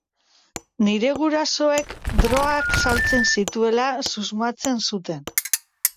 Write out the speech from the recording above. Nire gurasoek drogak saltzen zituela susmatzen zuten.